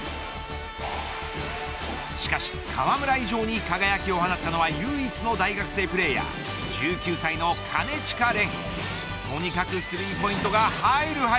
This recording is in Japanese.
しかし河村以上に輝きを放ったのは唯一の大学生プレーヤー１９歳の金近廉。